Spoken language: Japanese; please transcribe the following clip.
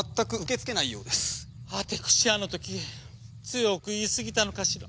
アテクシあの時強く言いすぎたのかしら。